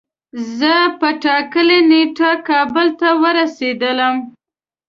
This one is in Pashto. زه په ټاکلی نیټه کابل ته ورسیدلم